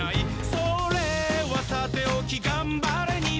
「それはさておきがんばれ日本」